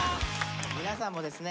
皆さんもですね